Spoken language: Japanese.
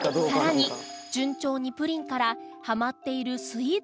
更に順調にプリンからハマっているスイーツの話へ